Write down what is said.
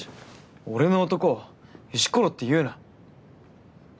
俺の男を石ころって言うな！